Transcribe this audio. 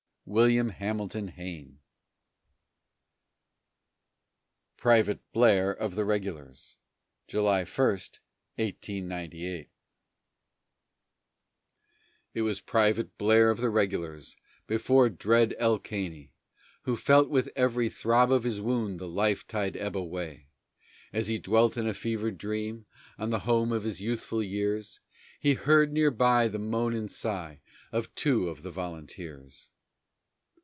WILLIAM HAMILTON HAYNE. PRIVATE BLAIR OF THE REGULARS [July 1, 1898] It was Private Blair, of the regulars, before dread El Caney, Who felt with every throb of his wound the life tide ebb away; And as he dwelt in a fevered dream on the home of his youthful years, He heard near by the moan and sigh of two of the volunteers.